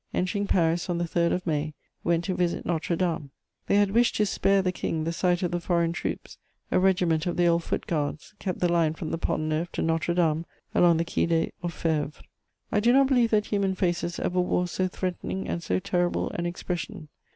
entering Paris on the 3rd of May, went to visit Notre Dame: they had wished to spare the King the sight of the foreign troops; a regiment of the old foot guards kept the line from the Pont Neuf to Notre Dame, along the Quai des Orfèvres. I do not believe that human faces ever wore so threatening and so terrible an expression.